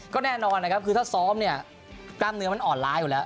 ก็แน่นอนคือถ้าซ้อมกล้ามเนื้อมันอ่อนล้ายอยู่แล้ว